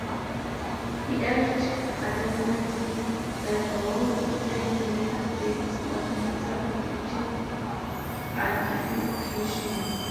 He argued adamantly that war with the United States was necessary to achieve unification.